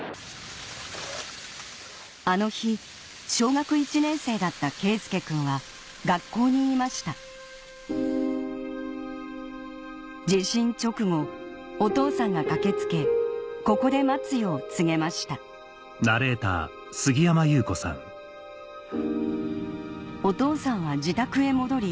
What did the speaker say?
あの日小学１年生だった佳祐くんは学校にいました地震直後お父さんが駆け付けここで待つよう告げましたお父さんは自宅へ戻り